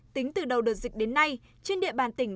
tính từ đầu đợt dịch định tp hcm đã ghi nhận ca dân tính mới